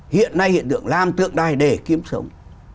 hiện nay hiện tượng làm tượng đài để kiếm sống